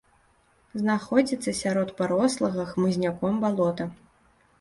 Знаходзіцца сярод парослага хмызняком балота.